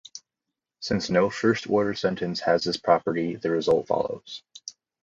Since no first-order sentence has this property, the result follows.